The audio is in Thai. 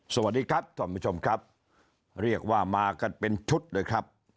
สวัสดีครับท่านผู้ชมครับเรียกว่ามากันเป็นชุดเลยครับ